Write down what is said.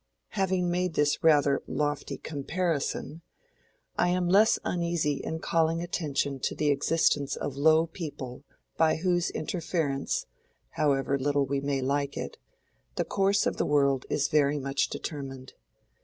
Having made this rather lofty comparison I am less uneasy in calling attention to the existence of low people by whose interference, however little we may like it, the course of the world is very much determined.